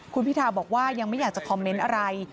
คุณพิทาบอกว่ายังไม่อยากจะคอมเมนต์อะไร